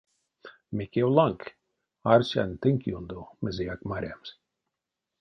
Мекевланг, арсян тынк ёндо мезеяк марямс.